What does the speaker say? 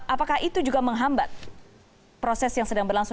apakah itu juga menghambat proses yang sedang berlangsung